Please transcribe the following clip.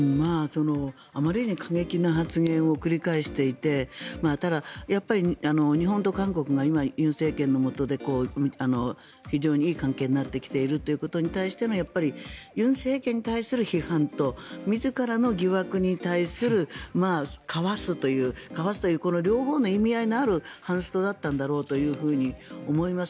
あまりに過激な発言を繰り返していてただ、日本と韓国が今、尹政権のもとで非常にいい関係になってきているということに対しての尹政権に対する批判と自らの疑惑に対するかわすというこの両方の意味合いのあるハンストだったんだろうと思います。